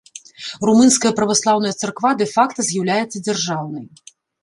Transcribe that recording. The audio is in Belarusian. Румынская праваслаўная царква дэ-факта з'яўляецца дзяржаўнай.